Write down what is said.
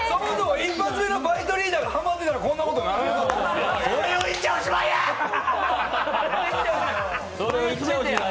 一発目のバイトリーダーがハマってたらこんなことにならない。